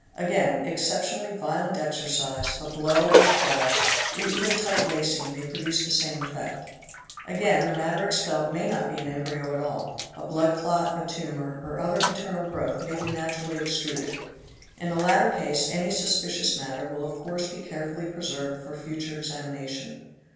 Again, exceptionally violent exercise, a blow or fall, or even tight lacing, may produce the same effect. Again the matter expelled may not be an embryo at all; a. blood clot, a tumour, or other internal growth may be naturally extruded. In the latter case any suspicious matter will of course be carefully preserved for future examination.